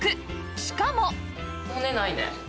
しかも